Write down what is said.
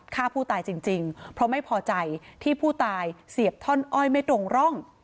ฆ่าผู้ตายจริงเพราะไม่พอใจที่ผู้ตายเสียบท่อนอ้อยไม่ตรงร่อง